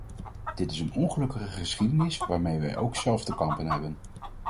Dit is een ongelukkige geschiedenis, waarmee wij ook zelf te kampen hebben.